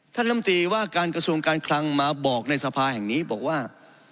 ลำตีว่าการกระทรวงการคลังมาบอกในสภาแห่งนี้บอกว่า